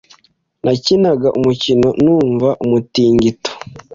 Nakinaga umukino numva umutingito.